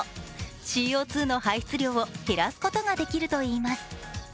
ＣＯ２の初出量を減らすことができるといいます。